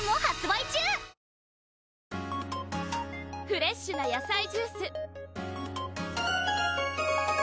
フレッシュな野菜ジュース！